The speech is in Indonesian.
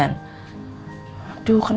udah gini baru diaitu kan